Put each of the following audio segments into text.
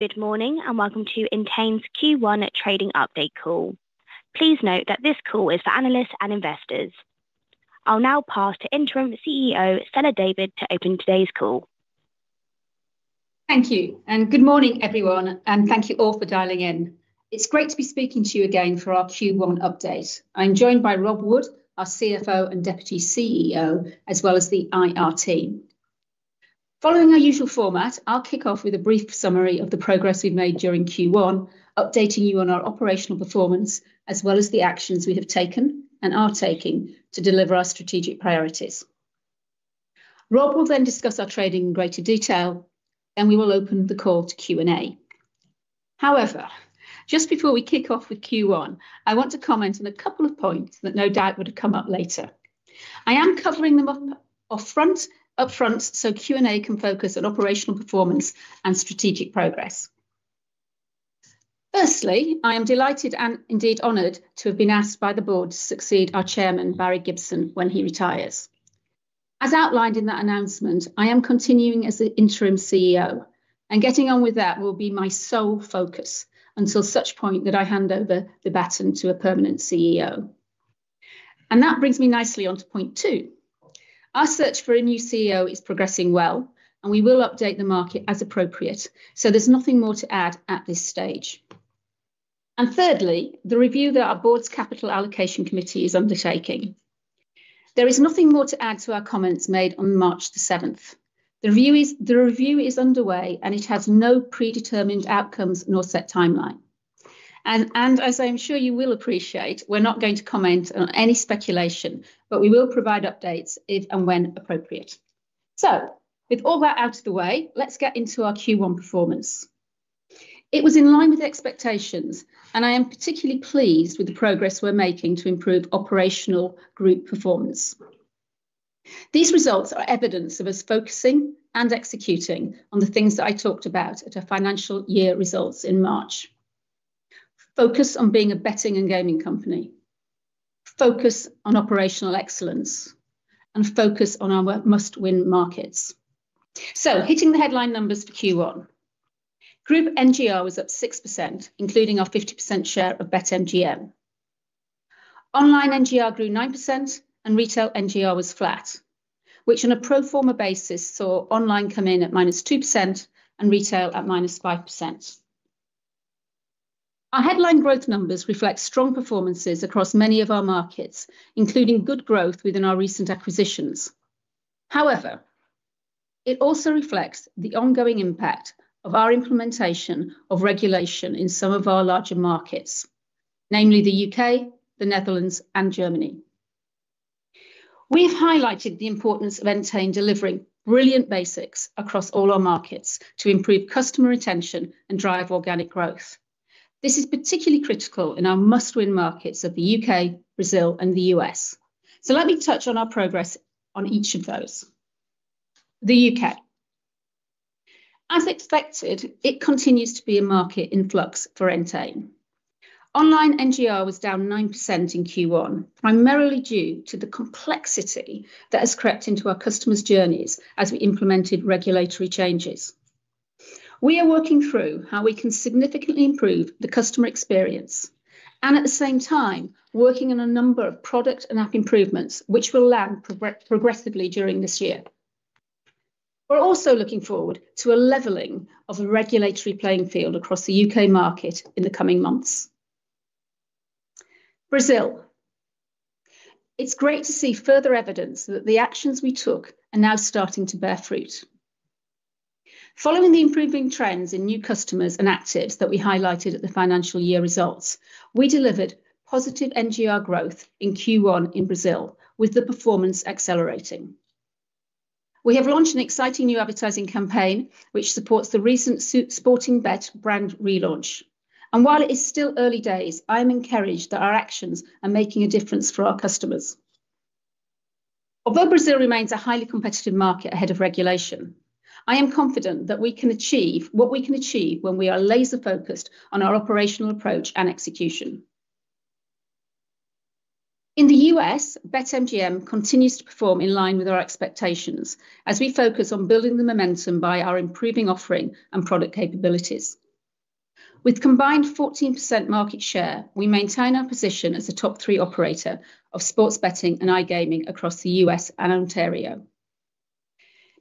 Good morning and welcome to Entain's Q1 Trading Update Call. Please note that this call is for analysts and investors. I'll now pass to Interim CEO Stella David to open today's call. Thank you, and good morning everyone, and thank you all for dialing in. It's great to be speaking to you again for our Q1 update. I'm joined by Rob Wood, our CFO and Deputy CEO, as well as the IR team. Following our usual format, I'll kick off with a brief summary of the progress we've made during Q1, updating you on our operational performance as well as the actions we have taken and are taking to deliver our strategic priorities. Rob will then discuss our trading in greater detail, then we will open the call to Q&A. However, just before we kick off with Q1, I want to comment on a couple of points that no doubt would have come up later. I am covering them upfront so Q&A can focus on operational performance and strategic progress. Firstly, I am delighted and indeed honored to have been asked by the board to succeed our chairman, Barry Gibson, when he retires. As outlined in that announcement, I am continuing as the Interim CEO, and getting on with that will be my sole focus until such point that I hand over the baton to a permanent CEO. That brings me nicely onto point two. Our search for a new CEO is progressing well, and we will update the market as appropriate, so there's nothing more to add at this stage. Thirdly, the review that our Board's Capital Allocation Committee is undertaking. There is nothing more to add to our comments made on March 7th. The review is underway, and it has no predetermined outcomes nor set timeline. As I'm sure you will appreciate, we're not going to comment on any speculation, but we will provide updates if and when appropriate. So with all that out of the way, let's get into our Q1 performance. It was in line with expectations, and I am particularly pleased with the progress we're making to improve operational group performance. These results are evidence of us focusing and executing on the things that I talked about at our financial year results in March. Focus on being a betting and gaming company. Focus on operational excellence. And focus on our must-win markets. So hitting the headline numbers for Q1. Group NGR was up 6%, including our 50% share of BetMGM. Online NGR grew 9%, and retail NGR was flat, which on a pro forma basis saw online come in at -2% and retail at -5%. Our headline growth numbers reflect strong performances across many of our markets, including good growth within our recent acquisitions. However, it also reflects the ongoing impact of our implementation of regulation in some of our larger markets, namely the UK, the Netherlands, and Germany. We have highlighted the importance of Entain delivering brilliant basics across all our markets to improve customer retention and drive organic growth. This is particularly critical in our must-win markets of the UK, Brazil, and the US. So let me touch on our progress on each of those. The UK. As expected, it continues to be a market in flux for Entain. Online NGR was down 9% in Q1, primarily due to the complexity that has crept into our customers' journeys as we implemented regulatory changes. We are working through how we can significantly improve the customer experience and at the same time working on a number of product and app improvements which will land progressively during this year. We're also looking forward to a leveling of the regulatory playing field across the UK market in the coming months. Brazil. It's great to see further evidence that the actions we took are now starting to bear fruit. Following the improving trends in new customers and actives that we highlighted at the financial year results, we delivered positive NGR growth in Q1 in Brazil, with the performance accelerating. We have launched an exciting new advertising campaign which supports the recent Sportingbet brand relaunch. And while it is still early days, I am encouraged that our actions are making a difference for our customers. Although Brazil remains a highly competitive market ahead of regulation, I am confident that we can achieve what we can achieve when we are laser-focused on our operational approach and execution. In the U.S., BetMGM continues to perform in line with our expectations as we focus on building the momentum by our improving offering and product capabilities. With combined 14% market share, we maintain our position as the top three operator of sports betting and iGaming across the U.S. and Ontario.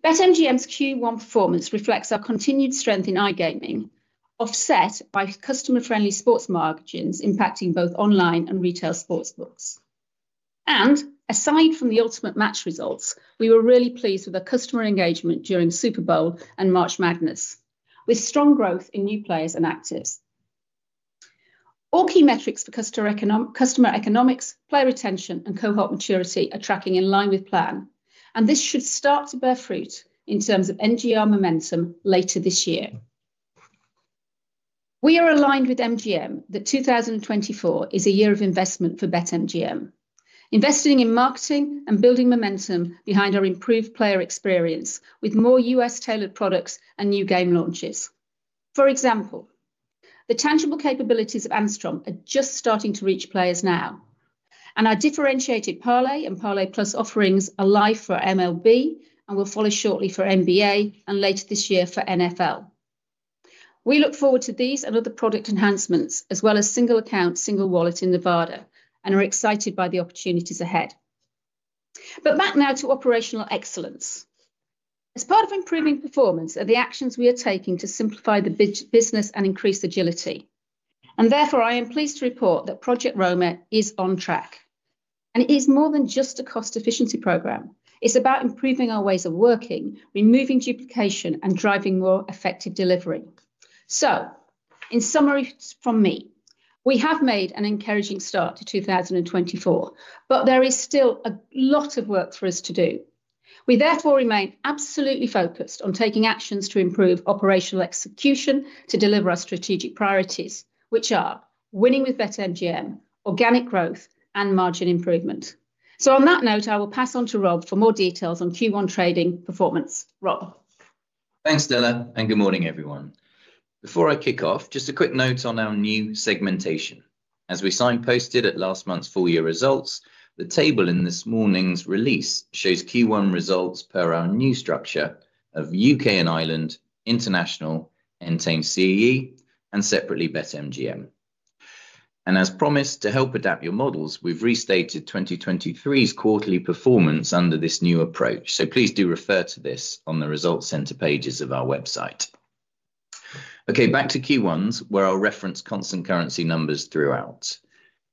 BetMGM's Q1 performance reflects our continued strength in iGaming, offset by customer-friendly sports margins impacting both online and retail sports books. Aside from the ultimate match results, we were really pleased with our customer engagement during Super Bowl and March Madness, with strong growth in new players and actives. All key metrics for customer economics, player retention, and cohort maturity are tracking in line with plan, and this should start to bear fruit in terms of NGR momentum later this year. We are aligned with MGM that 2024 is a year of investment for BetMGM, investing in marketing and building momentum behind our improved player experience with more US-tailored products and new game launches. For example, the tangible capabilities of Angstrom are just starting to reach players now, and our differentiated Parlay and Parlay Plus offerings are live for MLB and will follow shortly for NBA and later this year for NFL. We look forward to these and other product enhancements as well as single account, single wallet in Nevada, and are excited by the opportunities ahead. But back now to operational excellence. As part of improving performance, these are the actions we are taking to simplify the business and increase agility. Therefore, I am pleased to report that Project Romer is on track. It is more than just a cost efficiency program. It's about improving our ways of working, removing duplication, and driving more effective delivery. In summary from me, we have made an encouraging start to 2024, but there is still a lot of work for us to do. We therefore remain absolutely focused on taking actions to improve operational execution to deliver our strategic priorities, which are winning with BetMGM, organic growth, and margin improvement. On that note, I will pass on to Rob for more details on Q1 trading performance. Rob. Thanks, Stella, and good morning everyone. Before I kick off, just a quick note on our new segmentation. As we signposted at last month's full year results, the table in this morning's release shows Q1 results per our new structure of UK and Ireland, international, Entain CEE, and separately BetMGM. As promised, to help adapt your models, we've restated 2023's quarterly performance under this new approach, so please do refer to this on the Results Centre pages of our website. Okay, back to Q1s, where I'll reference constant currency numbers throughout.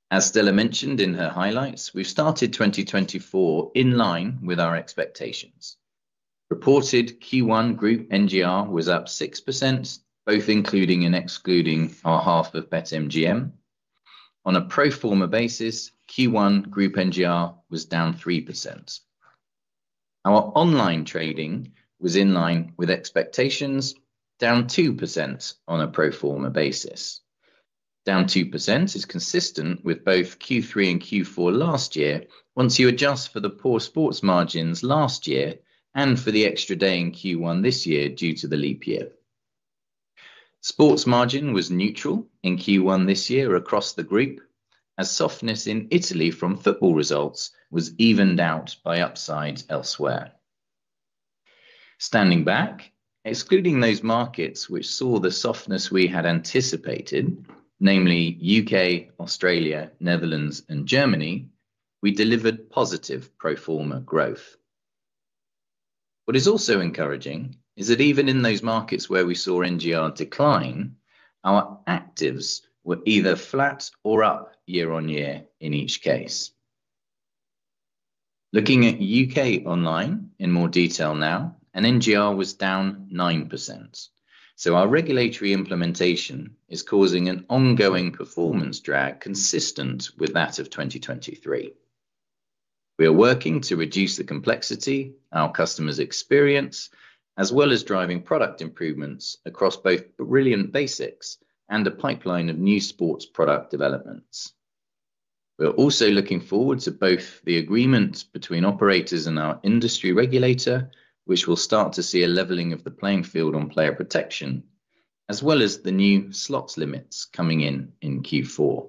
As Stella mentioned in her highlights, we've started 2024 in line with our expectations. Reported Q1 Group NGR was up 6%, both including and excluding our half of BetMGM. On a pro forma basis, Q1 Group NGR was down 3%. Our online trading was in line with expectations, down 2% on a pro forma basis. Down 2% is consistent with both Q3 and Q4 last year, once you adjust for the poor sports margins last year and for the extra day in Q1 this year due to the leap year. Sports margin was neutral in Q1 this year across the group, as softness in Italy from football results was evened out by upside elsewhere. Standing back, excluding those markets which saw the softness we had anticipated, namely UK, Australia, Netherlands, and Germany, we delivered positive pro forma growth. What is also encouraging is that even in those markets where we saw NGR decline, our actives were either flat or up year-on-year in each case. Looking at UK online in more detail now, NGR was down 9%, so our regulatory implementation is causing an ongoing performance drag consistent with that of 2023. We are working to reduce the complexity of our customers' experience, as well as driving product improvements across both brilliant basics and a pipeline of new sports product developments. We're also looking forward to both the agreement between operators and our industry regulator, which will start to see a leveling of the playing field on player protection, as well as the new slots limits coming in in Q4.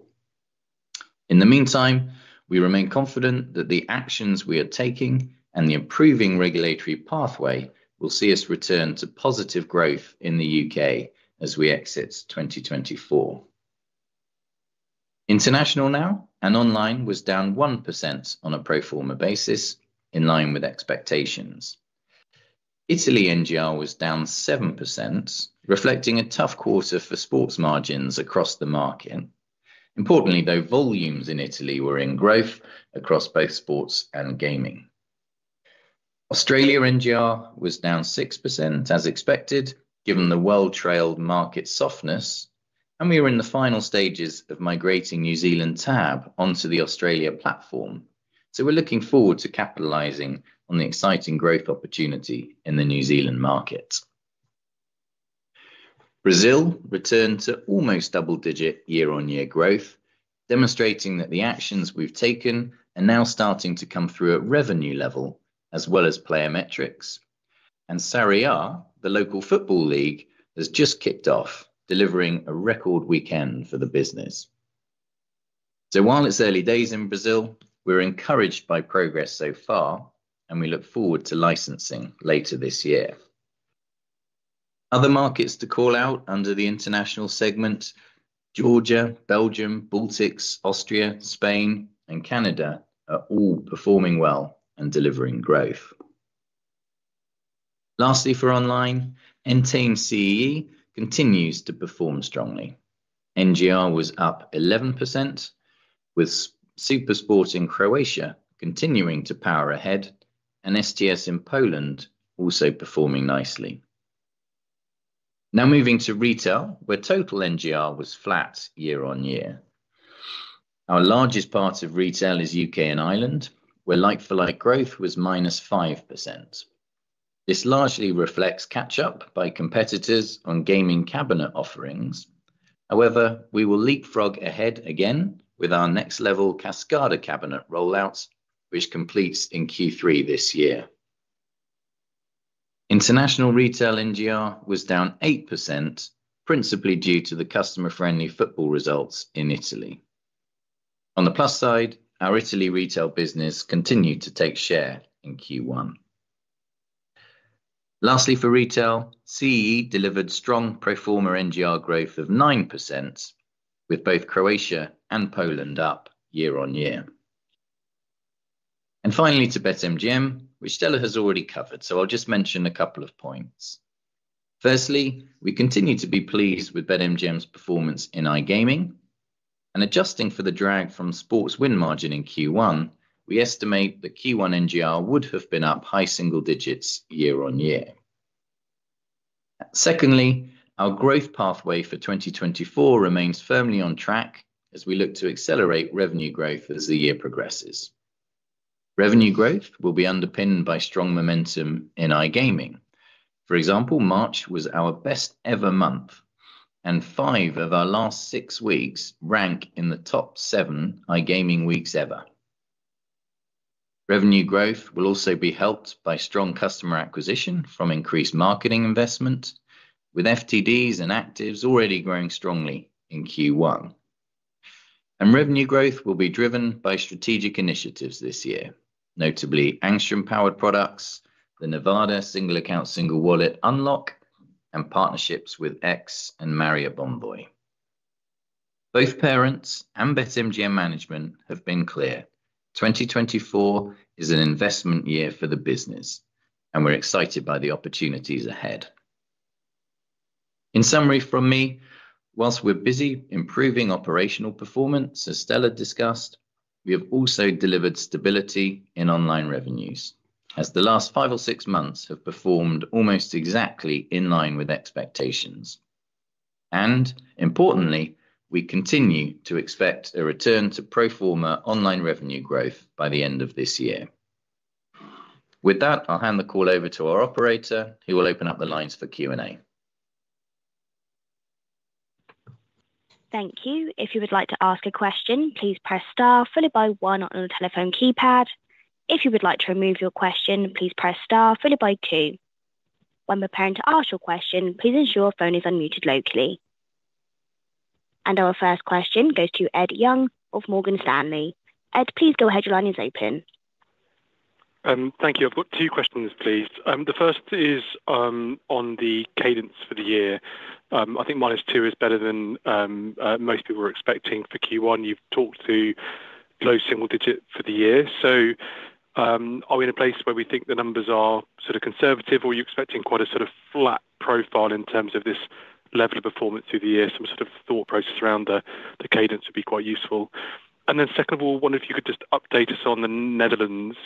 In the meantime, we remain confident that the actions we are taking and the improving regulatory pathway will see us return to positive growth in the UK as we exit 2024. International now and online was down 1% on a pro forma basis, in line with expectations. Italy NGR was down 7%, reflecting a tough quarter for sports margins across the market. Importantly, though, volumes in Italy were in growth across both sports and gaming. Australia NGR was down 6%, as expected, given the well-trailed market softness, and we are in the final stages of migrating New Zealand TAB onto the Australia platform, so we're looking forward to capitalizing on the exciting growth opportunity in the New Zealand market. Brazil returned to almost double-digit year-on-year growth, demonstrating that the actions we've taken are now starting to come through at revenue level as well as player metrics. Série A, the local football league, has just kicked off, delivering a record weekend for the business. So while it's early days in Brazil, we're encouraged by progress so far, and we look forward to licensing later this year. Other markets to call out under the international segment: Georgia, Belgium, Baltics, Austria, Spain, and Canada are all performing well and delivering growth. Lastly, for online, Entain CEE continues to perform strongly. NGR was up 11%, with SuperSport in Croatia continuing to power ahead, and STS in Poland also performing nicely. Now moving to retail, where total NGR was flat year-on-year. Our largest part of retail is UK & Ireland, where like-for-like growth was -5%. This largely reflects catch-up by competitors on gaming cabinet offerings. However, we will leapfrog ahead again with our next-level Kascada cabinet rollouts, which completes in Q3 this year. International retail NGR was down 8%, principally due to the customer-friendly football results in Italy. On the plus side, our Italy retail business continued to take share in Q1. Lastly, for retail, CEE delivered strong pro forma NGR growth of 9%, with both Croatia and Poland up year-on-year. And finally to BetMGM, which Stella has already covered, so I'll just mention a couple of points. Firstly, we continue to be pleased with BetMGM's performance in iGaming. Adjusting for the drag from sports win margin in Q1, we estimate that Q1 NGR would have been up high single digits year on year. Secondly, our growth pathway for 2024 remains firmly on track as we look to accelerate revenue growth as the year progresses. Revenue growth will be underpinned by strong momentum in iGaming. For example, March was our best-ever month, and five of our last six weeks rank in the top seven iGaming weeks ever. Revenue growth will also be helped by strong customer acquisition from increased marketing investment, with FTDs and actives already growing strongly in Q1. Revenue growth will be driven by strategic initiatives this year, notably Angstrom-powered products, the Nevada single account, single wallet unlock, and partnerships with X and Marriott Bonvoy. Both parents and BetMGM management have been clear: 2024 is an investment year for the business, and we're excited by the opportunities ahead. In summary from me, while we're busy improving operational performance, as Stella discussed, we have also delivered stability in online revenues, as the last five or six months have performed almost exactly in line with expectations. Importantly, we continue to expect a return to pro forma online revenue growth by the end of this year. With that, I'll hand the call over to our operator, who will open up the lines for Q&A. Thank you. If you would like to ask a question, please press Star followed by one on your telephone keypad. If you would like to remove your question, please press Star followed by two. When preparing to ask your question, please ensure your phone is unmuted locally. Our first question goes to Ed Young of Morgan Stanley. Ed, please go ahead, your line is open. Thank you. I've got two questions, please. The first is on the cadence for the year. I think minus two is better than most people were expecting for Q1. You've talked to close single digit for the year. So are we in a place where we think the numbers are sort of conservative, or are you expecting quite a sort of flat profile in terms of this level of performance through the year? Some sort of thought process around the cadence would be quite useful. And then second of all, I wonder if you could just update us on the Netherlands.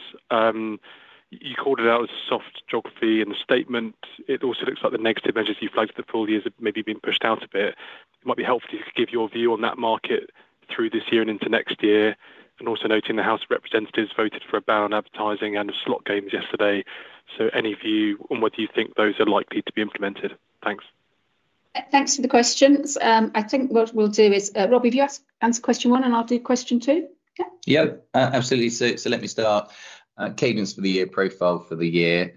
You called it out as a soft geography in the statement. It also looks like the negative measures you flagged for the full year have maybe been pushed out a bit. It might be helpful if you could give your view on that market through this year and into next year, and also noting the House of Representatives voted for a ban on advertising and of slot games yesterday. So any view on whether you think those are likely to be implemented? Thanks. Thanks for the questions. I think what we'll do is, Rob, if you answer question one, and I'll do question two. Yeah? Yeah, absolutely. So let me start. Cadence for the year profile for the year.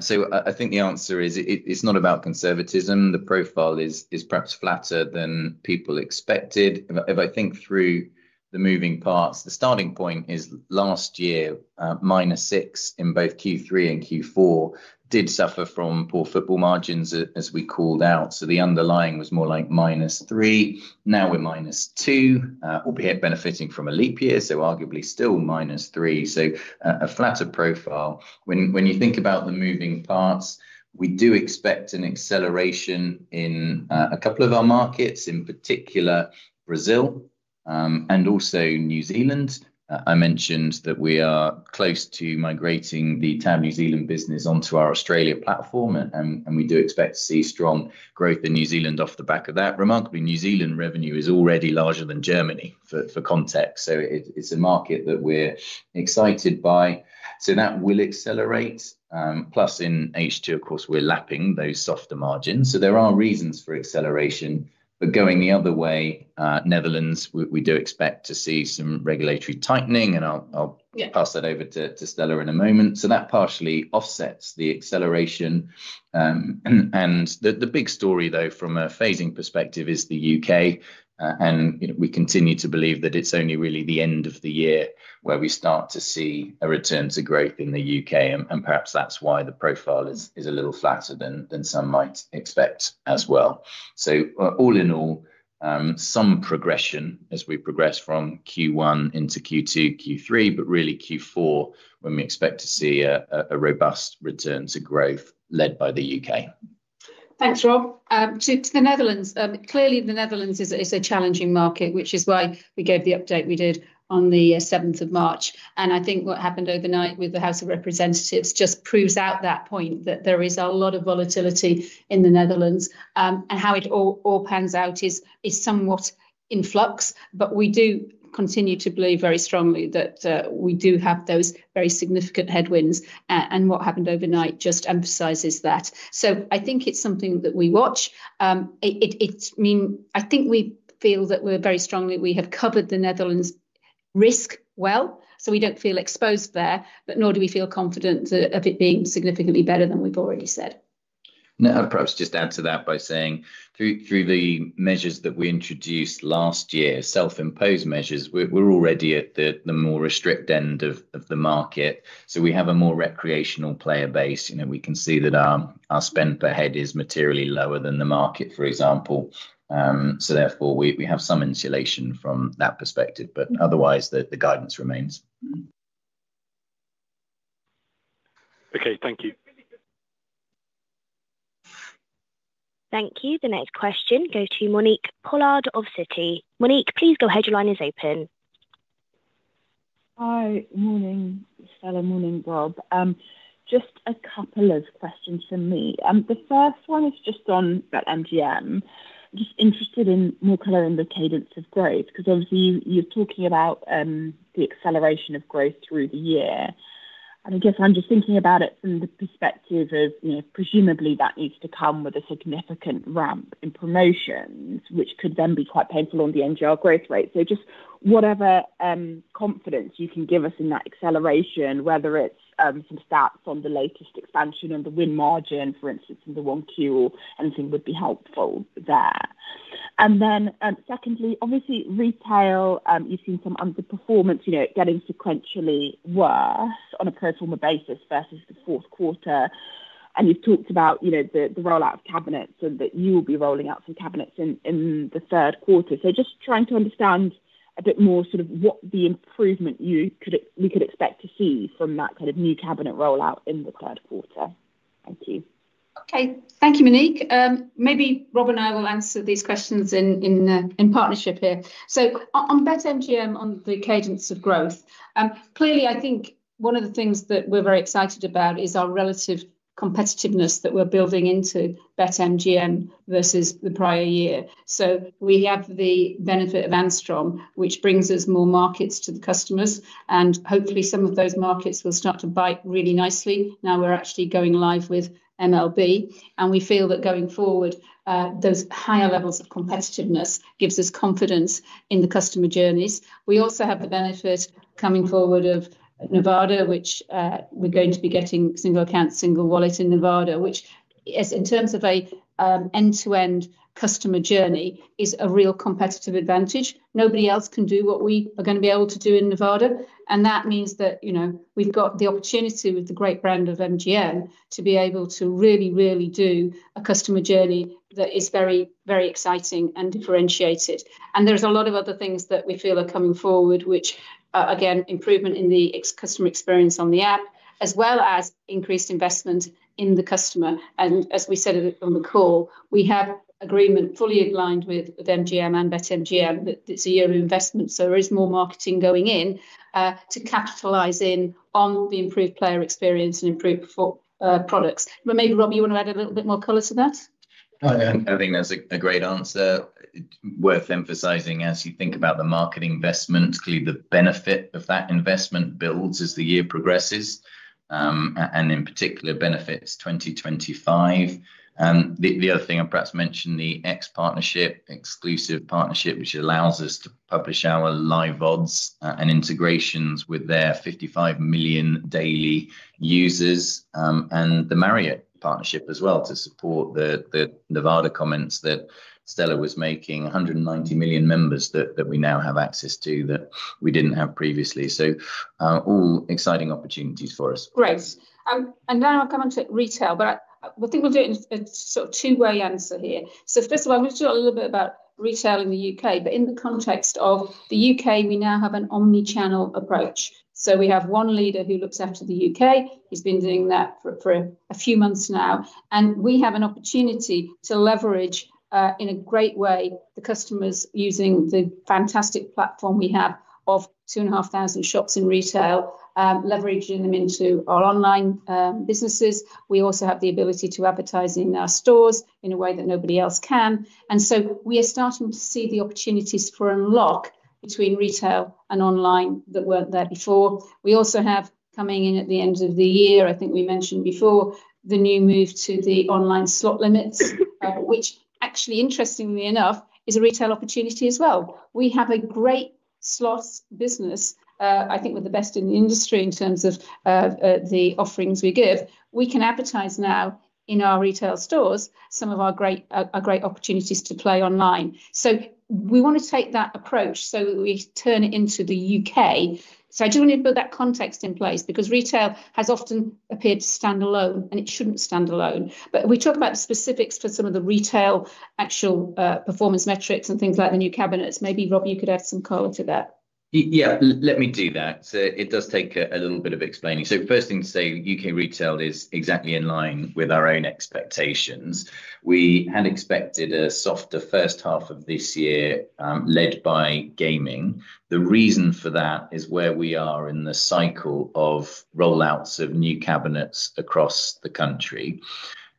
So I think the answer is it's not about conservatism. The profile is perhaps flatter than people expected. If I think through the moving parts, the starting point is last year, minus six in both Q3 and Q4 did suffer from poor football margins, as we called out. So the underlying was more like minus three. Now we're minus two, albeit benefiting from a leap year, so arguably still minus three. So a flatter profile. When you think about the moving parts, we do expect an acceleration in a couple of our markets, in particular Brazil and also New Zealand. I mentioned that we are close to migrating the TAB New Zealand business onto our Australia platform, and we do expect to see strong growth in New Zealand off the back of that. Remarkably, New Zealand revenue is already larger than Germany, for context. So it's a market that we're excited by. So that will accelerate. Plus, in H2, of course, we're lapping those softer margins. So there are reasons for acceleration. But going the other way, Netherlands, we do expect to see some regulatory tightening, and I'll pass that over to Stella in a moment. So that partially offsets the acceleration. And the big story, though, from a phasing perspective, is the UK. And we continue to believe that it's only really the end of the year where we start to see a return to growth in the UK. And perhaps that's why the profile is a little flatter than some might expect as well. So all in all, some progression as we progress from Q1 into Q2, Q3, but really Q4, when we expect to see a robust return to growth led by the UK. Thanks, Rob. To the Netherlands, clearly the Netherlands is a challenging market, which is why we gave the update we did on the 7th of March. And I think what happened overnight with the House of Representatives just proves out that point, that there is a lot of volatility in the Netherlands. And how it all pans out is somewhat in flux. But we do continue to believe very strongly that we do have those very significant headwinds. And what happened overnight just emphasizes that. So I think it's something that we watch. I think we feel that we're very strongly we have covered the Netherlands risk well, so we don't feel exposed there, but nor do we feel confident of it being significantly better than we've already said. I'd perhaps just add to that by saying, through the measures that we introduced last year, self-imposed measures, we're already at the more restricted end of the market. So we have a more recreational player base. We can see that our spend per head is materially lower than the market, for example. So therefore, we have some insulation from that perspective. But otherwise, the guidance remains. Okay, thank you. Thank you. The next question goes to Monique Pollard of Citi. Monique, please go ahead, your line is open. Hi, morning, Stella. Morning, Rob. Just a couple of questions from me. The first one is just on BetMGM. I'm just interested in more color in the cadence of growth, because obviously you're talking about the acceleration of growth through the year. And I guess I'm just thinking about it from the perspective of presumably that needs to come with a significant ramp in promotions, which could then be quite painful on the NGR growth rate. So just whatever confidence you can give us in that acceleration, whether it's some stats on the latest expansion on the win margin, for instance, in the Q1, anything would be helpful there. And then secondly, obviously retail, you've seen some underperformance getting sequentially worse on a pro forma basis versus the fourth quarter. You've talked about the rollout of cabinets and that you will be rolling out some cabinets in the third quarter. Just trying to understand a bit more sort of what the improvement we could expect to see from that kind of new cabinet rollout in the third quarter. Thank you. Okay, thank you, Monique. Maybe Rob and I will answer these questions in partnership here. So on BetMGM, on the cadence of growth, clearly I think one of the things that we're very excited about is our relative competitiveness that we're building into BetMGM versus the prior year. So we have the benefit of Angstrom, which brings us more markets to the customers. And hopefully some of those markets will start to bite really nicely. Now we're actually going live with MLB. And we feel that going forward, those higher levels of competitiveness gives us confidence in the customer journeys. We also have the benefit coming forward of Nevada, which we're going to be getting single account, single wallet in Nevada, which in terms of an end-to-end customer journey is a real competitive advantage. Nobody else can do what we are going to be able to do in Nevada. And that means that we've got the opportunity with the great brand of MGM to be able to really, really do a customer journey that is very, very exciting and differentiated. And there's a lot of other things that we feel are coming forward, which, again, improvement in the customer experience on the app, as well as increased investment in the customer. And as we said on the call, we have agreement fully aligned with MGM and BetMGM that it's a year of investment. So there is more marketing going in to capitalize on the improved player experience and improved products. But maybe, Rob, you want to add a little bit more color to that? I think that's a great answer. Worth emphasizing, as you think about the market investment, clearly the benefit of that investment builds as the year progresses. In particular, benefits 2025. The other thing I perhaps mentioned, the X partnership, exclusive partnership, which allows us to publish our live odds and integrations with their 55 million daily users. The Marriott partnership as well, to support the Nevada comments that Stella was making, 190 million members that we now have access to that we didn't have previously. So all exciting opportunities for us. Great. Now I'll come on to retail. But I think we'll do it in a sort of two-way answer here. So first of all, I'm going to talk a little bit about retail in the UK. But in the context of the UK, we now have an omnichannel approach. So we have one leader who looks after the UK. He's been doing that for a few months now. And we have an opportunity to leverage in a great way the customers using the fantastic platform we have of 2,500 shops in retail, leveraging them into our online businesses. We also have the ability to advertise in our stores in a way that nobody else can. And so we are starting to see the opportunities for unlock between retail and online that weren't there before. We also have coming in at the end of the year, I think we mentioned before, the new move to the online slot limits, which actually, interestingly enough, is a retail opportunity as well. We have a great slots business, I think, with the best in the industry in terms of the offerings we give. We can advertise now in our retail stores, some of our great opportunities to play online. So we want to take that approach so that we turn it into the UK. So I do want to put that context in place, because retail has often appeared to stand alone, and it shouldn't stand alone. But we talk about the specifics for some of the retail actual performance metrics and things like the new cabinets. Maybe, Rob, you could add some color to that. Yeah, let me do that. So it does take a little bit of explaining. So first thing to say, UK retail is exactly in line with our own expectations. We had expected a softer first half of this year led by gaming. The reason for that is where we are in the cycle of rollouts of new cabinets across the country.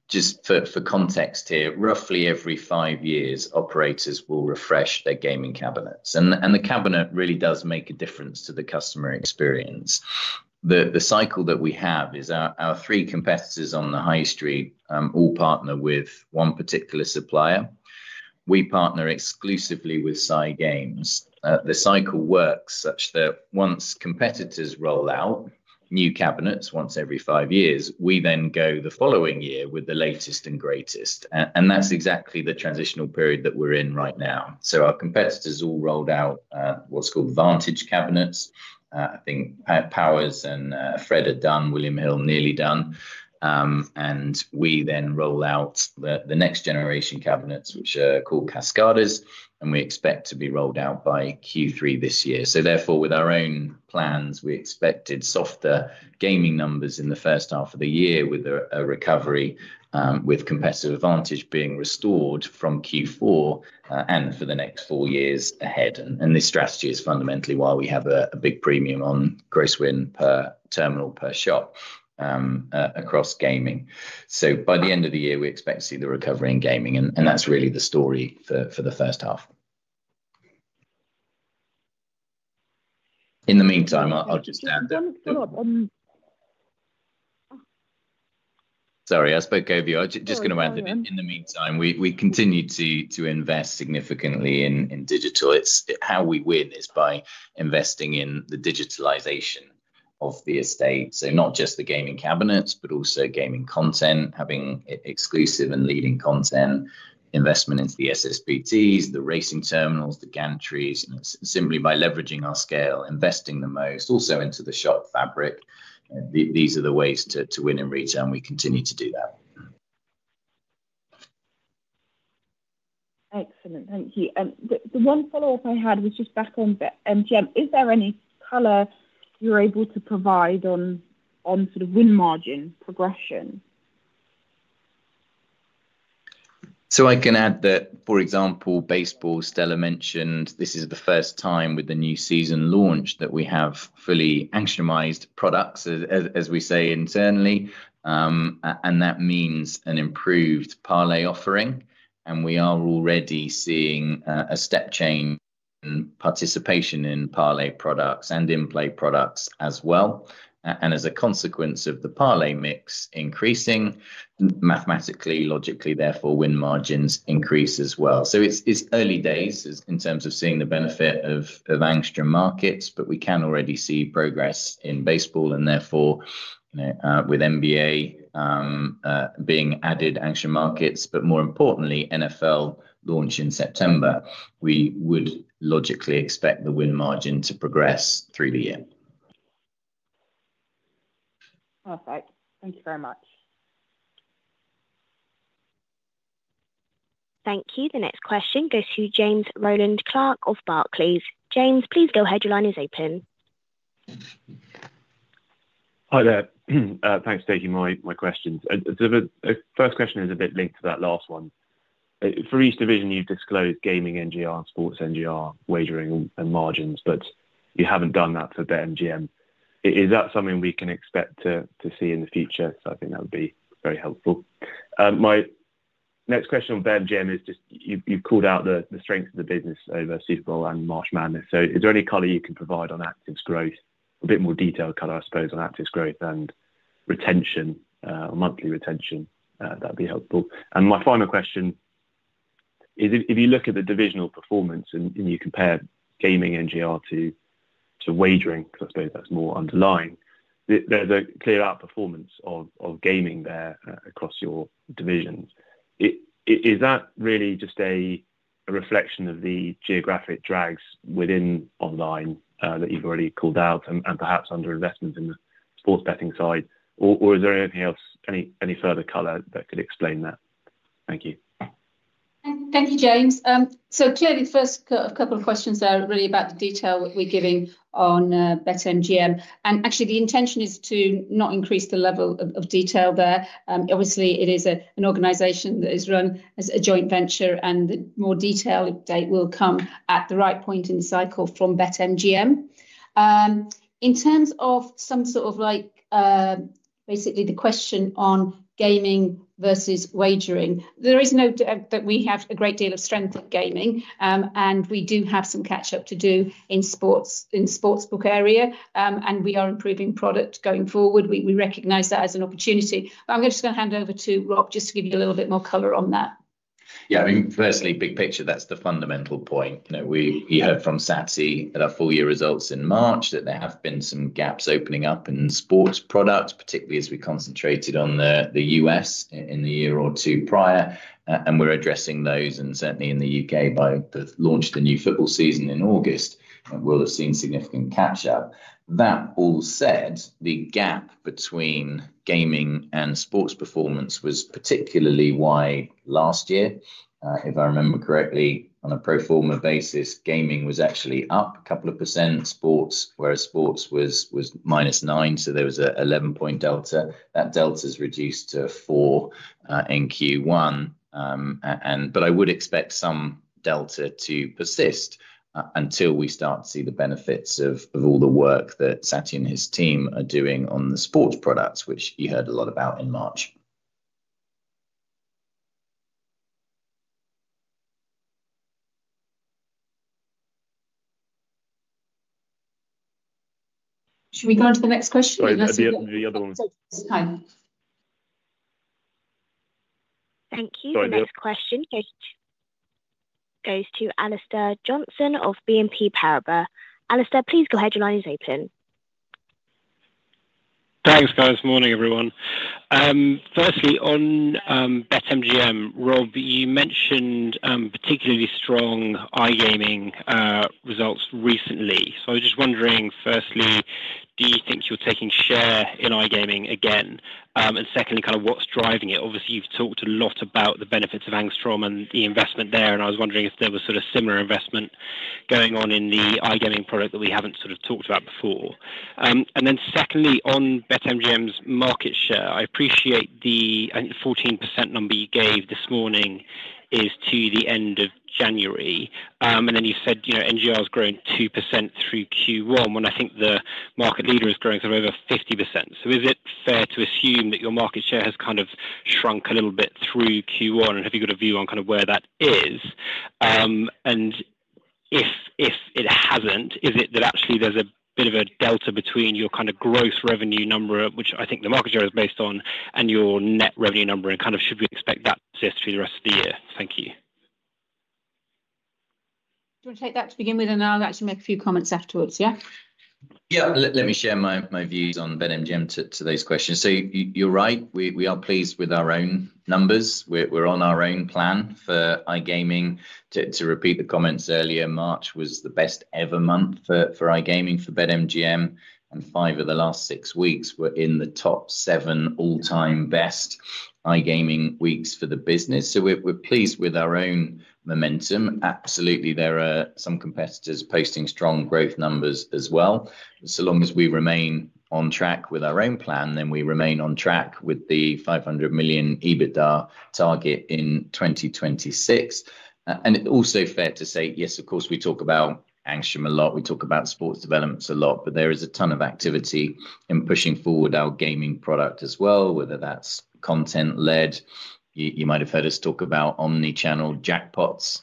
Just for context here, roughly every five years, operators will refresh their gaming cabinets. And the cabinet really does make a difference to the customer experience. The cycle that we have is our three competitors on the high street all partner with one particular supplier. We partner exclusively with Light & Wonder. The cycle works such that once competitors roll out new cabinets once every five years, we then go the following year with the latest and greatest. And that's exactly the transitional period that we're in right now. So our competitors all rolled out what's called Vantage cabinets. I think Paddy Power and Betfred are done, William Hill nearly done. We then roll out the next generation cabinets, which are called Kascada. And we expect to be rolled out by Q3 this year. So therefore, with our own plans, we expected softer gaming numbers in the first half of the year, with a recovery, with competitive advantage being restored from Q4 and for the next four years ahead. And this strategy is fundamentally why we have a big premium on gross win per terminal, per shop across gaming. So by the end of the year, we expect to see the recovery in gaming. And that's really the story for the first half. In the meantime, I'll just add that. Sorry, I spoke over you. I'm just going to add that in the meantime, we continue to invest significantly in digital. How we win is by investing in the digitalization of the estate. So not just the gaming cabinets, but also gaming content, having exclusive and leading content, investment into the SSBTs, the racing terminals, the gantries, simply by leveraging our scale, investing the most, also into the shop fabric. These are the ways to win in retail. We continue to do that. Excellent. Thank you. The one follow-up I had was just back on BetMGM. Is there any color you're able to provide on sort of win margin progression? So I can add that, for example, baseball, Stella mentioned, this is the first time with the new season launch that we have fully Angstromized products, as we say internally. And that means an improved parlay offering. And we are already seeing a step change in participation in parlay products and in-play products as well. And as a consequence of the parlay mix increasing, mathematically, logically, therefore, win margins increase as well. So it's early days in terms of seeing the benefit of Angstrom markets. But we can already see progress in baseball. And therefore, with NBA being added, Angstrom markets, but more importantly, NFL launch in September, we would logically expect the win margin to progress through the year. Perfect. Thank you very much. Thank you. The next question goes to James Rowland Clark of Barclays. James, please go ahead, your line is open. Hi there. Thanks, Stella, for my questions. The first question is a bit linked to that last one. For each division, you've disclosed gaming NGR, sports NGR, wagering, and margins, but you haven't done that for BetMGM. Is that something we can expect to see in the future? I think that would be very helpful. My next question on BetMGM is just you've called out the strengths of the business over Super Bowl and March Madness. So is there any color you can provide on active growth? A bit more detailed color, I suppose, on active growth and retention, monthly retention. That'd be helpful. My final question is, if you look at the divisional performance and you compare gaming NGR to wagering, because I suppose that's more underlying, there's a clear outperformance of gaming there across your divisions. Is that really just a reflection of the geographic drags within online that you've already called out and perhaps under investment in the sports betting side? Or is there anything else, any further color that could explain that? Thank you. Thank you, James. So clearly, the first couple of questions are really about the detail we're giving on BetMGM. And actually, the intention is to not increase the level of detail there. Obviously, it is an organization that is run as a joint venture. And more detailed update will come at the right point in the cycle from BetMGM. In terms of some sort of basically the question on gaming versus wagering, there is no doubt that we have a great deal of strength in gaming. And we do have some catch-up to do in sports book area. And we are improving product going forward. We recognize that as an opportunity. But I'm just going to hand over to Rob just to give you a little bit more color on that. Yeah, I mean, firstly, big picture, that's the fundamental point. We heard from Satty at our full year results in March that there have been some gaps opening up in sports products, particularly as we concentrated on the U.S. in the year or two prior. We're addressing those. Certainly in the U.K., by the launch of the new football season in August, we'll have seen significant catch-up. That all said, the gap between gaming and sports performance was particularly wide last year. If I remember correctly, on a pro forma basis, gaming was actually up 2%, whereas sports was -9%. So there was an 11-point delta. That delta has reduced to four in Q1. But I would expect some delta to persist until we start to see the benefits of all the work that Satty and his team are doing on the sports products, which you heard a lot about in March. Should we go on to the next question? The other one. Thank you. The next question goes to Alastair Johnson of BNP Paribas. Alistair, please go ahead, your line is open. Thanks, guys. Morning, everyone. Firstly, on BetMGM, Rob, you mentioned particularly strong iGaming results recently. So I was just wondering, firstly, do you think you're taking share in iGaming again? And secondly, kind of what's driving it? Obviously, you've talked a lot about the benefits of Angstrom and the investment there. And I was wondering if there was sort of similar investment going on in the iGaming product that we haven't sort of talked about before. And then secondly, on BetMGM's market share, I appreciate the 14% number you gave this morning is to the end of January. And then you said NGR has grown 2% through Q1. When I think the market leader is growing sort of over 50%. So is it fair to assume that your market share has kind of shrunk a little bit through Q1? Have you got a view on kind of where that is? If it hasn't, is it that actually there's a bit of a delta between your kind of gross revenue number, which I think the market share is based on, and your net revenue number? Kind of should we expect that to persist through the rest of the year? Thank you. Do you want to take that to begin with? I'll actually make a few comments afterwards, yeah? Yeah, let me share my views on BetMGM to those questions. So you're right. We are pleased with our own numbers. We're on our own plan for iGaming. To repeat the comments earlier, March was the best ever month for iGaming for BetMGM. And five of the last six weeks were in the top seven all-time best iGaming weeks for the business. So we're pleased with our own momentum. Absolutely, there are some competitors posting strong growth numbers as well. So long as we remain on track with our own plan, then we remain on track with the $500 million EBITDA target in 2026. And it's also fair to say, yes, of course, we talk about Angstrom a lot. We talk about sports developments a lot. But there is a ton of activity in pushing forward our gaming product as well, whether that's content-led. You might have heard us talk about omnichannel jackpots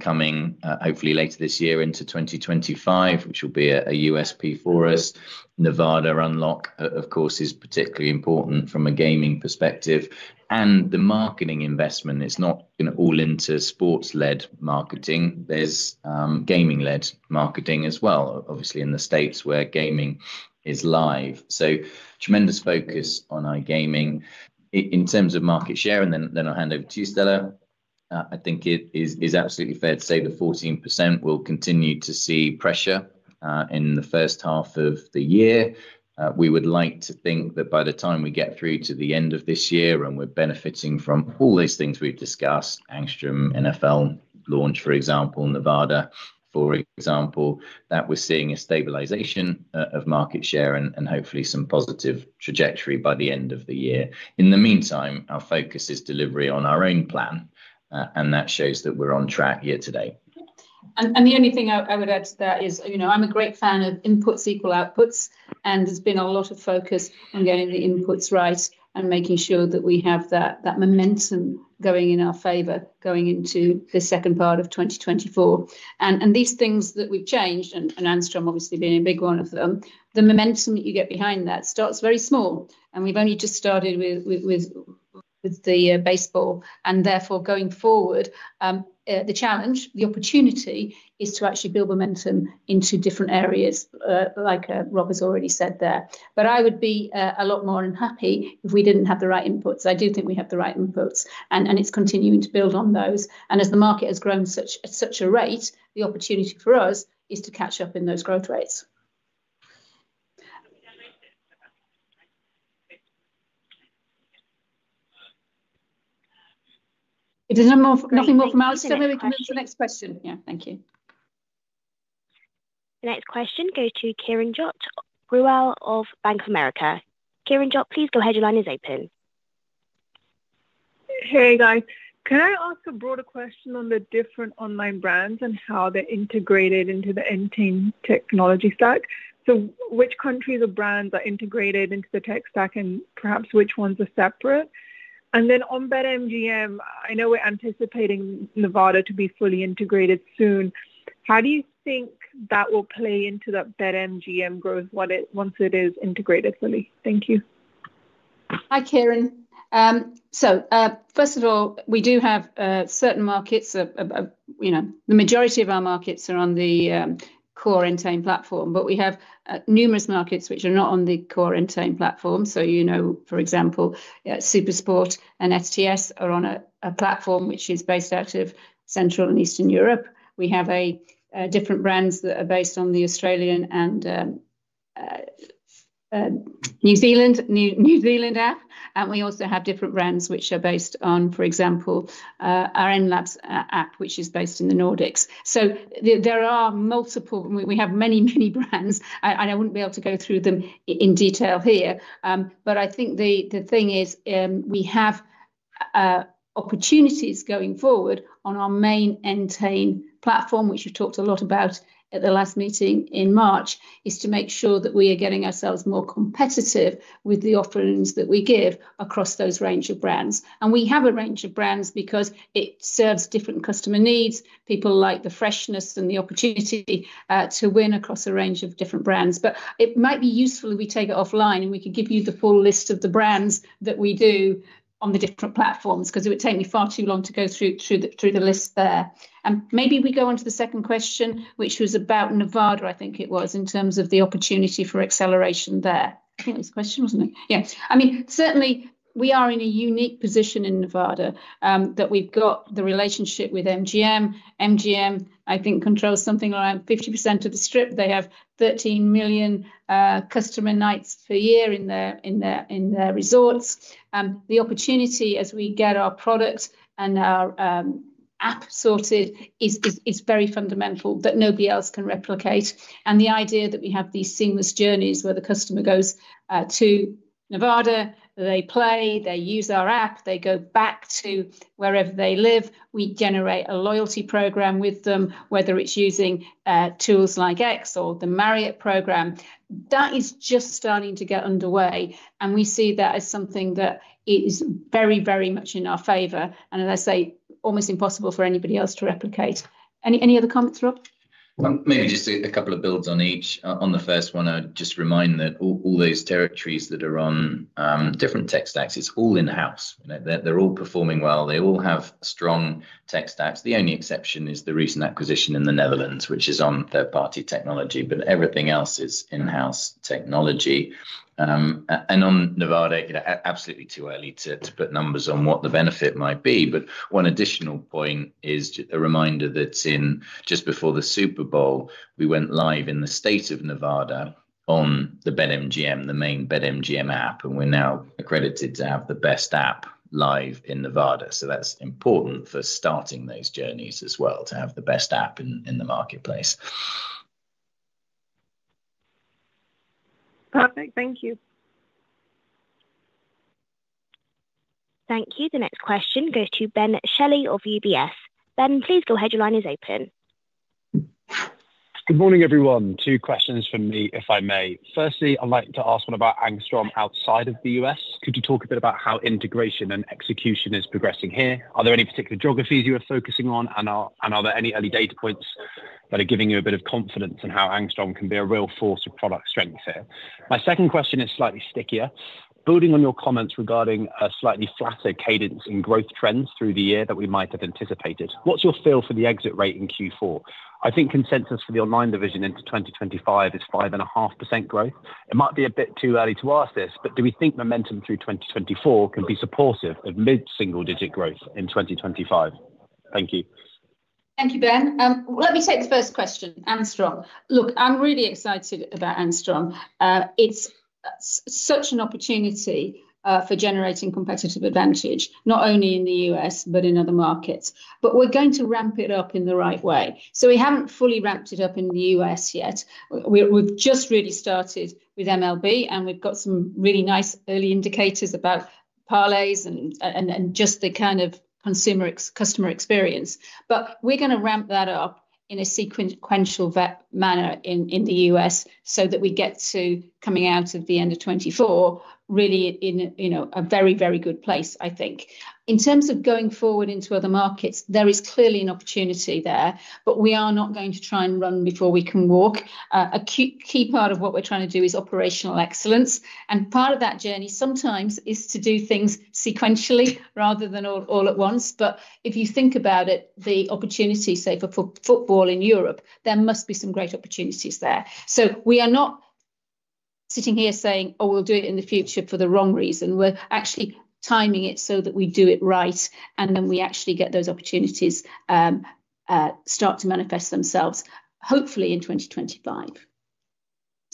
coming, hopefully, later this year into 2025, which will be a USP for us. Nevada unlock, of course, is particularly important from a gaming perspective. And the marketing investment, it's not all into sports-led marketing. There's gaming-led marketing as well, obviously, in the states where gaming is live. So tremendous focus on iGaming in terms of market share. And then I'll hand over to you, Stella. I think it is absolutely fair to say the 14% will continue to see pressure in the first half of the year. We would like to think that by the time we get through to the end of this year and we're benefiting from all these things we've discussed, Angstrom, NFL launch, for example, Nevada, for example, that we're seeing a stabilization of market share and hopefully some positive trajectory by the end of the year. In the meantime, our focus is delivery on our own plan. And that shows that we're on track here today. The only thing I would add to that is I'm a great fan of inputs equal outputs. There's been a lot of focus on getting the inputs right and making sure that we have that momentum going in our favor going into the second part of 2024. These things that we've changed, and Angstrom obviously being a big one of them, the momentum that you get behind that starts very small. We've only just started with the baseball. Therefore, going forward, the challenge, the opportunity is to actually build momentum into different areas, like Rob has already said there. But I would be a lot more unhappy if we didn't have the right inputs. I do think we have the right inputs. It's continuing to build on those. As the market has grown at such a rate, the opportunity for us is to catch up in those growth rates. If there's nothing more from Alistair, maybe we can move to the next question. Yeah, thank you. The next question goes to Kiranjot Grewal of Bank of America. Kiranjot, please go ahead, your line is open. Here you go. Can I ask a broader question on the different online brands and how they're integrated into the Entain technology stack? So which countries or brands are integrated into the tech stack, and perhaps which ones are separate? And then on BetMGM, I know we're anticipating Nevada to be fully integrated soon. How do you think that will play into that BetMGM growth once it is integrated fully? Thank you. Hi, Kiran. So first of all, we do have certain markets. The majority of our markets are on the core Entain platform. But we have numerous markets which are not on the core Entain platform. So for example, SuperSport and STS are on a platform which is based out of Central and Eastern Europe. We have different brands that are based on the Australian and New Zealand app. And we also have different brands which are based on, for example, our Enlabs app, which is based in the Nordics. So there are multiple. We have many, many brands. And I wouldn't be able to go through them in detail here. But I think the thing is we have opportunities going forward on our main Entain platform, which you've talked a lot about at the last meeting in March, is to make sure that we are getting ourselves more competitive with the offerings that we give across those range of brands. We have a range of brands because it serves different customer needs. People like the freshness and the opportunity to win across a range of different brands. But it might be useful if we take it offline, and we could give you the full list of the brands that we do on the different platforms, because it would take me far too long to go through the list there. Maybe we go on to the second question, which was about Nevada, I think it was, in terms of the opportunity for acceleration there. I think that was the question, wasn't it? Yeah. I mean, certainly, we are in a unique position in Nevada that we've got the relationship with MGM. MGM, I think, controls something around 50% of the strip. They have 13 million customer nights per year in their resorts. The opportunity, as we get our product and our app sorted, is very fundamental that nobody else can replicate. And the idea that we have these seamless journeys where the customer goes to Nevada, they play, they use our app, they go back to wherever they live, we generate a loyalty program with them, whether it's using tools like X or the Marriott program. That is just starting to get underway. And we see that as something that is very, very much in our favor. And as I say, almost impossible for anybody else to replicate. Any other comments, Rob? Maybe just a couple of builds on each. On the first one, I'd just remind that all those territories that are on different tech stacks, it's all in-house. They're all performing well. They all have strong tech stacks. The only exception is the recent acquisition in the Netherlands, which is on third-party technology. But everything else is in-house technology. And on Nevada, absolutely too early to put numbers on what the benefit might be. But one additional point is a reminder that just before the Super Bowl, we went live in the state of Nevada on the BetMGM, the main BetMGM app. And we're now accredited to have the best app live in Nevada. So that's important for starting those journeys as well, to have the best app in the marketplace. Perfect. Thank you. Thank you. The next question goes to Ben Shelley of UBS. Ben, please go ahead, your line is open. Good morning, everyone. Two questions from me, if I may. Firstly, I'd like to ask one about Angstrom outside of the U.S. Could you talk a bit about how integration and execution is progressing here? Are there any particular geographies you are focusing on? And are there any early data points that are giving you a bit of confidence in how Angstrom can be a real force of product strength here? My second question is slightly stickier. Building on your comments regarding a slightly flatter cadence in growth trends through the year that we might have anticipated, what's your feel for the exit rate in Q4? I think consensus for the online division into 2025 is 5.5% growth. It might be a bit too early to ask this. But do we think momentum through 2024 can be supportive of mid-single-digit growth in 2025? Thank you. Thank you, Ben. Let me take the first question, Angstrom. Look, I'm really excited about Angstrom. It's such an opportunity for generating competitive advantage, not only in the US but in other markets. But we're going to ramp it up in the right way. So we haven't fully ramped it up in the US yet. We've just really started with MLB. And we've got some really nice early indicators about parlays and just the kind of customer experience. But we're going to ramp that up in a sequential manner in the US so that we get to coming out of the end of 2024 really in a very, very good place, I think. In terms of going forward into other markets, there is clearly an opportunity there. But we are not going to try and run before we can walk. A key part of what we're trying to do is operational excellence. Part of that journey sometimes is to do things sequentially rather than all at once. But if you think about it, the opportunity, say, for football in Europe, there must be some great opportunities there. So we are not sitting here saying, "Oh, we'll do it in the future for the wrong reason." We're actually timing it so that we do it right. And then we actually get those opportunities start to manifest themselves, hopefully, in 2025.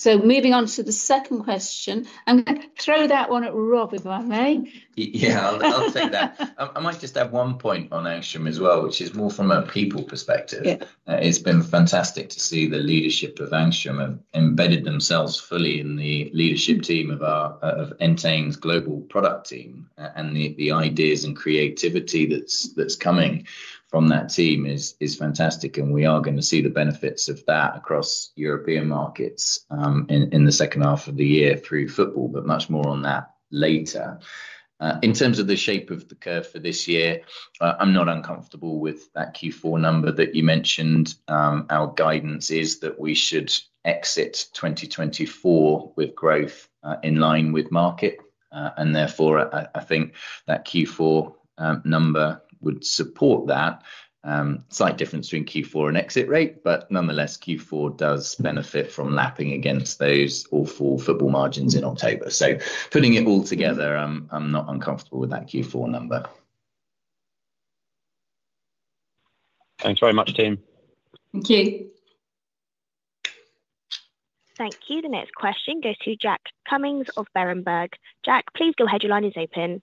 Moving on to the second question. I'm going to throw that one at Rob, if I may. Yeah, I'll take that. I might just add one point on Angstrom as well, which is more from a people perspective. It's been fantastic to see the leadership of Angstrom have embedded themselves fully in the leadership team of Entain's global product team. And the ideas and creativity that's coming from that team is fantastic. And we are going to see the benefits of that across European markets in the second half of the year through football. But much more on that later. In terms of the shape of the curve for this year, I'm not uncomfortable with that Q4 number that you mentioned. Our guidance is that we should exit 2024 with growth in line with market. And therefore, I think that Q4 number would support that. Slight difference between Q4 and exit rate. But nonetheless, Q4 does benefit from lapping against those awful football margins in October. So putting it all together, I'm not uncomfortable with that Q4 number. Thanks very much, team. Thank you. Thank you. The next question goes to Jack Cummings of Berenberg. Jack, please go ahead, your line is open.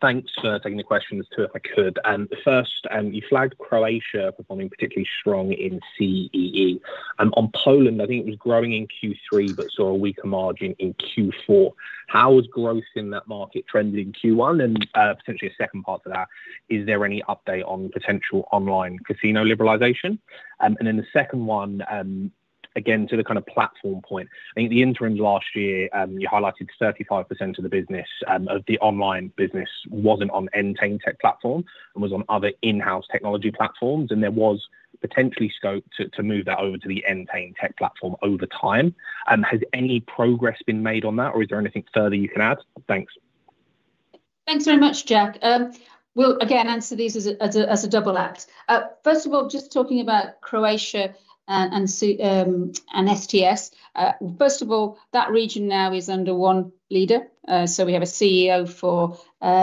Thanks for taking the questions too, if I could. First, you flagged Croatia performing particularly strong in CEE. On Poland, I think it was growing in Q3 but saw a weaker margin in Q4. How has growth in that market trended in Q1? And potentially a second part to that, is there any update on potential online casino liberalization? And then the second one, again, to the kind of platform point, I think the interim last year, you highlighted 35% of the online business wasn't on Entain tech platform and was on other in-house technology platforms. And there was potentially scope to move that over to the Entain tech platform over time. Has any progress been made on that? Or is there anything further you can add? Thanks. Thanks very much, Jack. We'll, again, answer these as a double act. First of all, just talking about Croatia and STS. First of all, that region now is under one leader. So we have a CEO for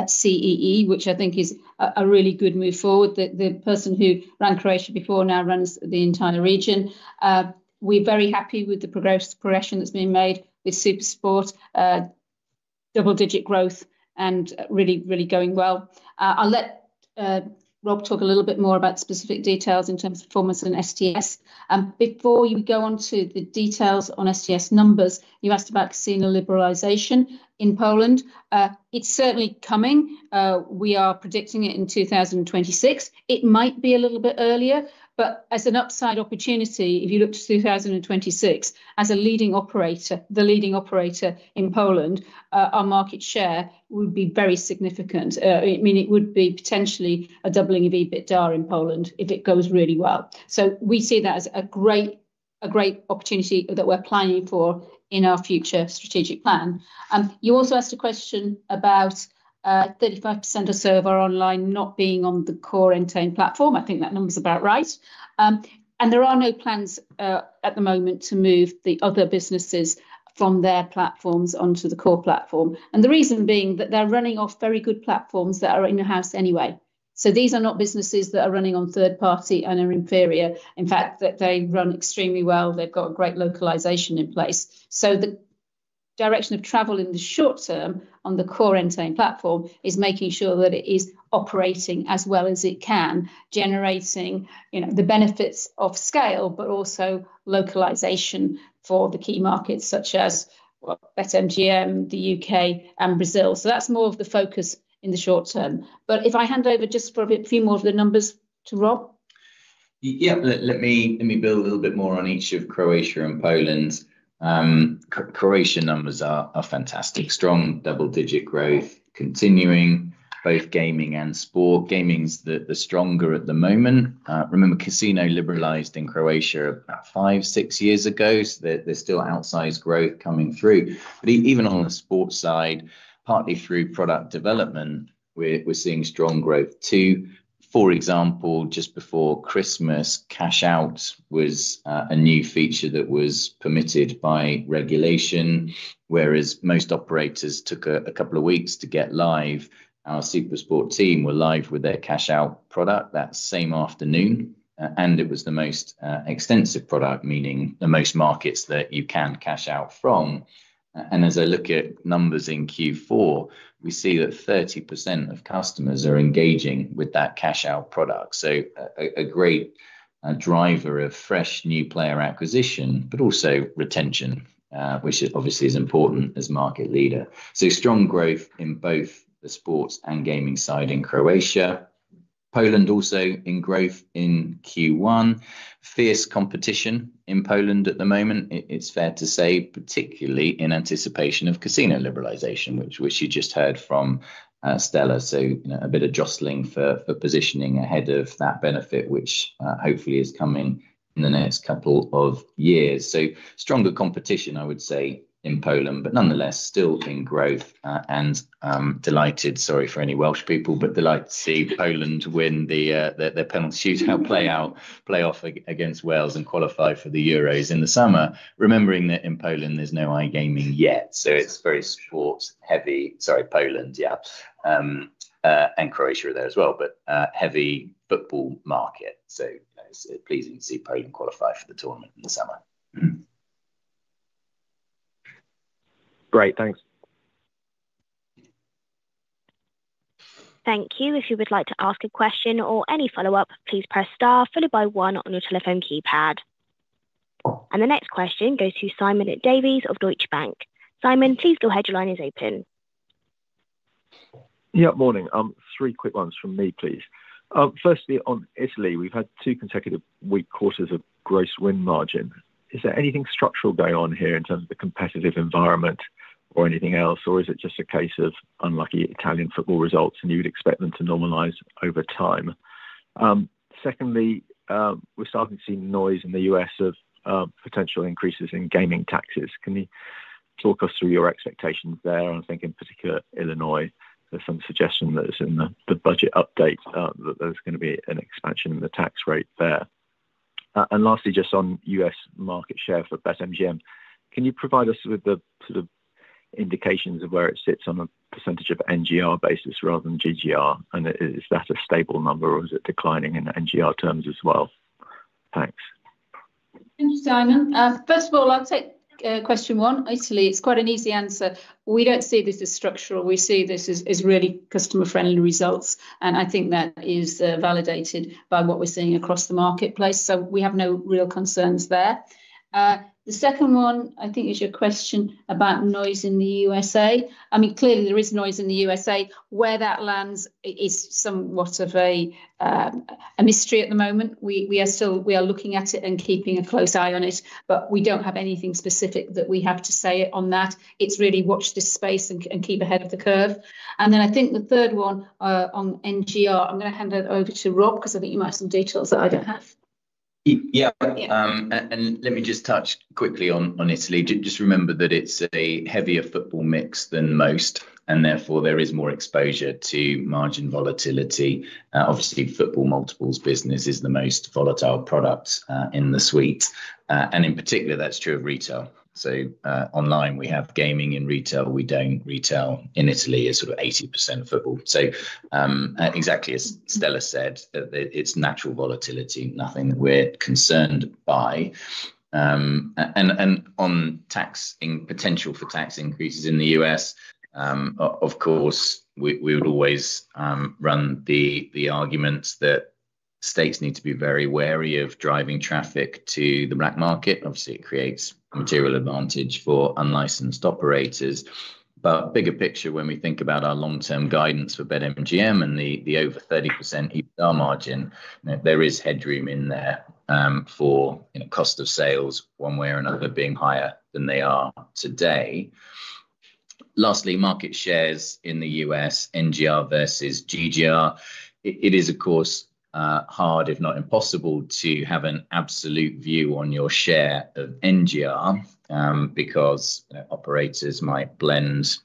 CEE, which I think is a really good move forward. The person who ran Croatia before now runs the entire region. We're very happy with the progression that's been made with SuperSport, double-digit growth, and really, really going well. I'll let Rob talk a little bit more about specific details in terms of performance and STS. Before you go on to the details on STS numbers, you asked about casino liberalization in Poland. It's certainly coming. We are predicting it in 2026. It might be a little bit earlier. But as an upside opportunity, if you look to 2026, as a leading operator, the leading operator in Poland, our market share would be very significant. I mean, it would be potentially a doubling of EBITDA in Poland if it goes really well. So we see that as a great opportunity that we're planning for in our future strategic plan. You also asked a question about 35% or so of our online not being on the core Entain platform. I think that number's about right. And there are no plans at the moment to move the other businesses from their platforms onto the core platform. And the reason being that they're running off very good platforms that are in-house anyway. So these are not businesses that are running on third-party and are inferior. In fact, they run extremely well. They've got a great localisation in place. So the direction of travel in the short term on the core Entain platform is making sure that it is operating as well as it can, generating the benefits of scale but also localization for the key markets such as BetMGM, the UK, and Brazil. So that's more of the focus in the short term. But if I hand over just for a few more of the numbers to Rob. Yeah, let me build a little bit more on each of Croatia and Poland. Croatia numbers are fantastic. Strong double-digit growth continuing, both gaming and sport. Gaming's the stronger at the moment. Remember, casino liberalized in Croatia about five, six years ago. So there's still outsized growth coming through. But even on the sports side, partly through product development, we're seeing strong growth too. For example, just before Christmas, cash-out was a new feature that was permitted by regulation, whereas most operators took a couple of weeks to get live. Our SuperSport team were live with their cash-out product that same afternoon. And it was the most extensive product, meaning the most markets that you can cash out from. And as I look at numbers in Q4, we see that 30% of customers are engaging with that cash-out product. So a great driver of fresh new player acquisition but also retention, which obviously is important as market leader. So strong growth in both the sports and gaming side in Croatia. Poland also in growth in Q1. Fierce competition in Poland at the moment, it's fair to say, particularly in anticipation of casino liberalization, which you just heard from Stella. So a bit of jostling for positioning ahead of that benefit, which hopefully is coming in the next couple of years. So stronger competition, I would say, in Poland. But nonetheless, still in growth. And delighted—sorry for any Welsh people—but delighted to see Poland win their penalty shootout playoff against Wales and qualify for the Euros in the summer, remembering that in Poland, there's no iGaming yet. It's very sports-heavy, sorry, Poland, yeah, and Croatia are there as well, but heavy football market. It's pleasing to see Poland qualify for the tournament in the summer. Great. Thanks. Thank you. If you would like to ask a question or any follow-up, please press Star followed by one on your telephone keypad. The next question goes to Simon Davies of Deutsche Bank. Simon, please go ahead, your line is open. Yeah, morning. Three quick ones from me, please. Firstly, on Italy, we've had two consecutive weak quarters of gross win margin. Is there anything structural going on here in terms of the competitive environment or anything else? Or is it just a case of unlucky Italian football results and you would expect them to normalize over time? Secondly, we're starting to see noise in the U.S. of potential increases in gaming taxes. Can you talk us through your expectations there? And I think, in particular, Illinois, there's some suggestion that it's in the budget update that there's going to be an expansion in the tax rate there. And lastly, just on U.S. market share for BetMGM, can you provide us with the sort of indications of where it sits on a percentage of NGR basis rather than GGR? And is that a stable number? Or is it declining in NGR terms as well? Thanks. Thanks, Simon. First of all, I'll take question one, Italy. It's quite an easy answer. We don't see this as structural. We see this as really customer-friendly results. I think that is validated by what we're seeing across the marketplace. So we have no real concerns there. The second one, I think, is your question about noise in the USA. I mean, clearly, there is noise in the USA. Where that lands is somewhat of a mystery at the moment. We are looking at it and keeping a close eye on it. But we don't have anything specific that we have to say on that. It's really watch this space and keep ahead of the curve. Then I think the third one on NGR, I'm going to hand it over to Rob because I think you might have some details that I don't have. Yeah. Let me just touch quickly on Italy. Just remember that it's a heavier football mix than most. Therefore, there is more exposure to margin volatility. Obviously, football multiples business is the most volatile product in the suite. In particular, that's true of retail. So online, we have gaming in retail. We don't retail in Italy as sort of 80% football. So exactly as Stella said, it's natural volatility, nothing that we're concerned by. On potential for tax increases in the U.S., of course, we would always run the argument that states need to be very wary of driving traffic to the black market. Obviously, it creates material advantage for unlicensed operators. But bigger picture, when we think about our long-term guidance for BetMGM and the over 30% EBITDA margin, there is headroom in there for cost of sales one way or another being higher than they are today. Lastly, market shares in the U.S., NGR versus GGR. It is, of course, hard, if not impossible, to have an absolute view on your share of NGR because operators might blend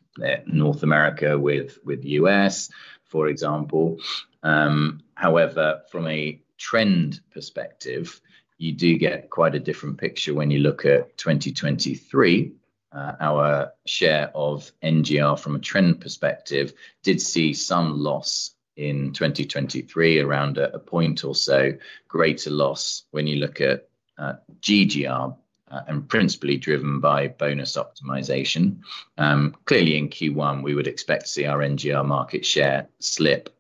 North America with the U.S., for example. However, from a trend perspective, you do get quite a different picture when you look at 2023. Our share of NGR, from a trend perspective, did see some loss in 2023, around a point or so greater loss when you look at GGR and principally driven by bonus optimization. Clearly, in Q1, we would expect to see our NGR market share slip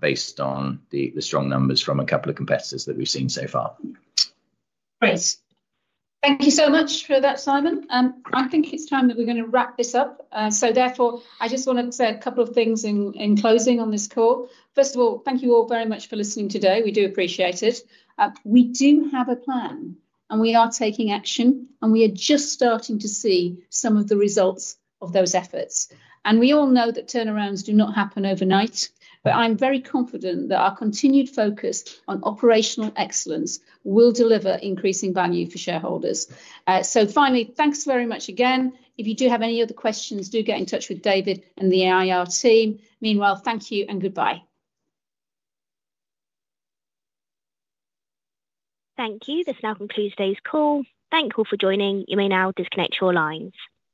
based on the strong numbers from a couple of competitors that we've seen so far. Great. Thank you so much for that, Simon. I think it's time that we're going to wrap this up. So therefore, I just want to say a couple of things in closing on this call. First of all, thank you all very much for listening today. We do appreciate it. We do have a plan. We are taking action. We are just starting to see some of the results of those efforts. We all know that turnarounds do not happen overnight. But I'm very confident that our continued focus on operational excellence will deliver increasing value for shareholders. So finally, thanks very much again. If you do have any other questions, do get in touch with David and the IR team. Meanwhile, thank you and goodbye. Thank you. This now concludes today's call. Thank you all for joining. You may now disconnect your lines.